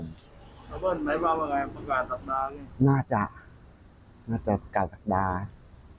มันไหวบ้างไงประกาศสัปดาห์นี่น่าจะน่าจะประกาศสัปดาห์